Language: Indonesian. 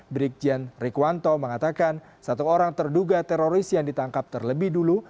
brigjen rikuanto mengatakan satu orang terduga teroris yang ditangkap terlebih dulu